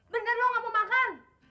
bener lu nggak mau makan